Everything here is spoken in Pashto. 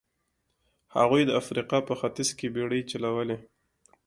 هغوی د افریقا په ختیځ کې بېړۍ چلولې.